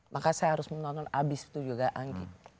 maka saya harus menonton abis itu juga angki